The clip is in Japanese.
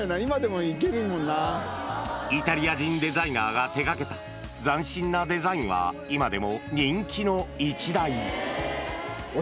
イタリア人デザイナーが手がけた斬新なデザインは、今でも人気の一台。